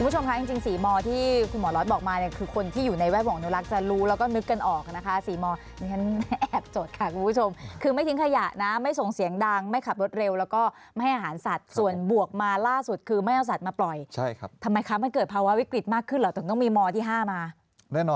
คุณผู้ชมคะจริง๔มที่คุณหมอล็อตบอกมาเนี่ยคือคนที่อยู่ในแวดวงอนุรักษ์จะรู้แล้วก็นึกกันออกนะคะ๔มดิฉันแอบจดค่ะคุณผู้ชมคือไม่ทิ้งขยะนะไม่ส่งเสียงดังไม่ขับรถเร็วแล้วก็ไม่ให้อาหารสัตว์ส่วนบวกมาล่าสุดคือไม่เอาสัตว์มาปล่อยใช่ครับทำไมคะมันเกิดภาวะวิกฤตมากขึ้นเหรอถึงต้องมีมที่๕มา